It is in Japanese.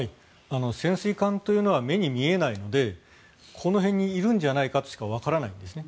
潜水艦というのは目に見えないのでこの辺にいるんじゃないかとしかわからないんですね。